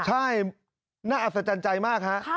ใช่น่าอัศจรรย์ใจมากฮะ